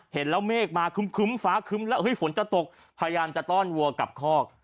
เห็นแล้วเมฆมาคึ้มฟ้าคึ้มแล้วฝนจะตกพยายามจะต้อนวัวกลับคอก